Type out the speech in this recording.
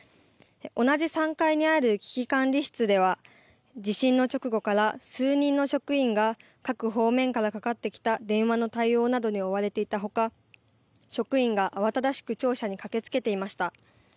同じ３階にある危機管理室では地震の直後から数人の職員が各方面からかかってきた電話の対応などに追われていたほか職員が慌ただしく庁舎に駆けつけていました。